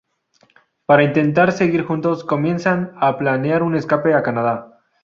Para intentar seguir juntos, comienzan a planear un escape a Canadá.